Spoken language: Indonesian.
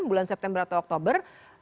bulan september atau oktober